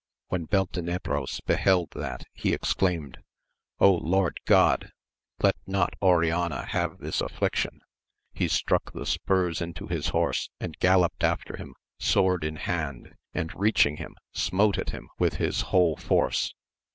When Beltenebros beheld that he exclaimed, Lord God, let not Oriana have this affliction ! He struck the spurs into his horse and galloped after him sword in hand, and reaching him smote at him with his whole force.